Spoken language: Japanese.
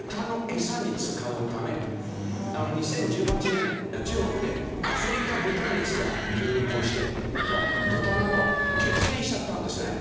２０１８年中国でアフリカ豚熱が流行して豚がもう激減しちゃったんですよね。